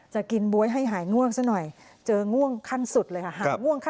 จะกินบ๊วยให้หายง่วงซะหน่อยเจอง่วงขั้นสุดเลยค่ะ